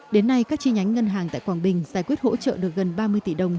đến nay các chi nhánh ngân hàng tại quảng bình giải quyết hỗ trợ được gần ba mươi tỷ đồng